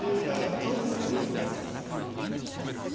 当選確実です。